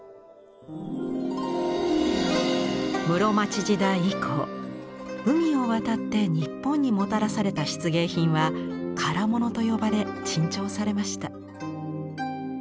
室町時代以降海を渡って日本にもたらされた漆芸品は「唐物」と呼ばれ珍重されました。